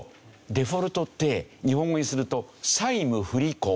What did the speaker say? デフォルトって日本語にすると債務不履行。